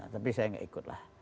tapi saya tidak ikutlah